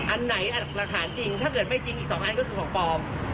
อันไหนละถามจริงถ้าจะไม่จริงอีก๒อันก็ถูกของฟอม